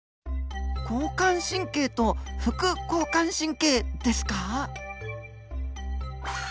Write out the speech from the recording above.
交感神経と副交感神経ですか？